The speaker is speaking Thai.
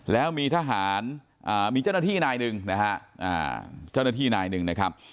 แล้วมีทหารมีเจ้าหน้าที่นายหนึ่ง